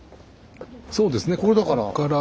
そうですねこっから。